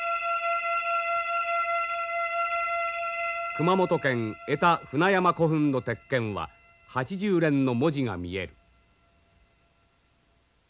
熊本県江田船山古墳の鉄剣は八十練の文字が見える。